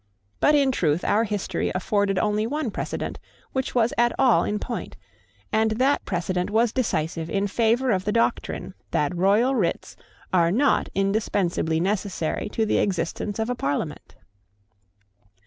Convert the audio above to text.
But in truth our history afforded only one precedent which was at all in point; and that precedent was decisive in favour of the doctrine that royal writs are not indispensably necessary to the existence of a Parliament.